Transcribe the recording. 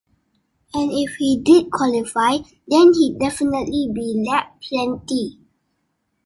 And if he did qualify, then he'd definitely be lapped plenty.